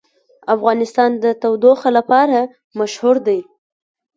افغانستان د تودوخه لپاره مشهور دی.